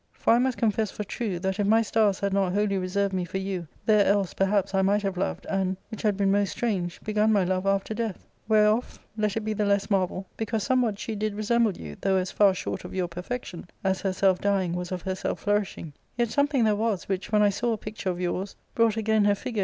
For I must confess for true, that if my stars had not wholly reserved me for you, there else, perhaps, I might have loved, and, which had been most strange, begun my love after death : whereof let it be the less marvel, because somewhat she did resemble you, though as far short of your perfection as herself dying was of herself flourishing ; yet something there was which, when I saw a picture of yours, brought again her figure into 2i6 ARCADIA.